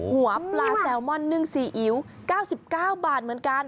หัวปลาแซลมอนนึ่งซีอิ๊ว๙๙บาทเหมือนกัน